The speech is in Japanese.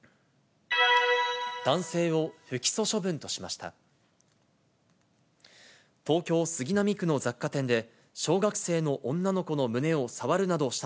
男性を不起訴処分としました。